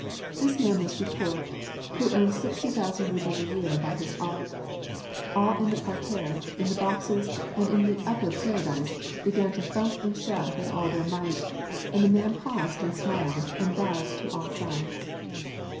This man was Duport, who earned sixty thousand rubles a year by his art. All in the parterre, in the boxes, and in the " upper parar disc " began to thump and shout with all their might, and the man paused and smiled, and bowed to all sides.